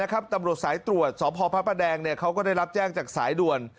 ท่านก็มาสำรวจสายตรวจสภพพระแดงได้รับแจ้งจากสายด่วน